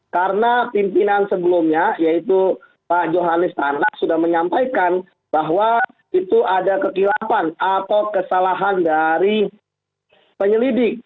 karena pimpinan sebelumnya yaitu pak johanis tanak sudah menyampaikan bahwa itu ada kekilapan atau kesalahan dari penyelidik